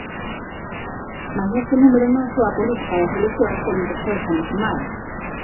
Mais neste número non só a política e as eleccións teñen presenza no sumario.